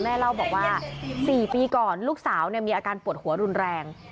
เล่าบอกว่า๔ปีก่อนลูกสาวมีอาการปวดหัวรุนแรง